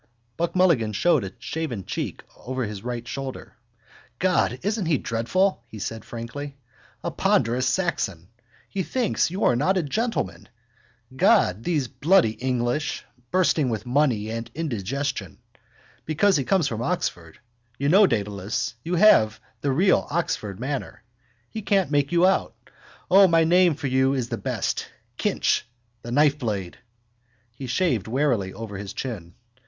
Buck Mulligan showed a shaven cheek over his right shoulder. —God, isn't he dreadful? he said frankly. A ponderous Saxon. He thinks you're not a gentleman. God, these bloody English! Bursting with money and indigestion. Because he comes from Oxford. You know, Dedalus, you have the real Oxford manner. He can't make you out. O, my name for you is the best: Kinch, the knife blade. He shaved warily over his chin.